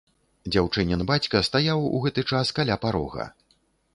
Дзяўчынін бацька стаяў у гэты час каля парога.